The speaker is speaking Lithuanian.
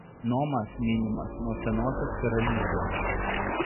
Nomas minimas nuo Senosios karalystės.